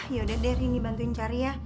yaudah deh ini bantuin cari ya